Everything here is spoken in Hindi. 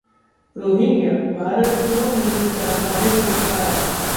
रोहिंग्याः भारत क्यों उनसे चाहता है छुटकारा